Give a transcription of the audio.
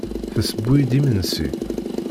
Tesseww-iyi-d imensi.